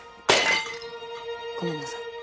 ごめんなさい。